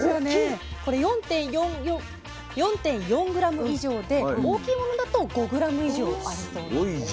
これ４．４ｇ以上で大きいものだと５ｇ以上あるそうなんですよ。